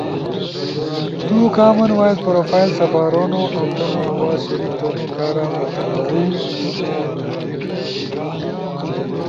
تو کامن وائس پروفائل سپارونو اؤ تمو آواز شریک تھونو کارا متنوع